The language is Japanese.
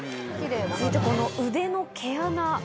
続いてこの腕の毛穴。